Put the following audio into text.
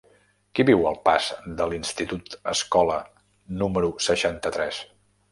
Qui viu al pas de l'Institut Escola número seixanta-tres?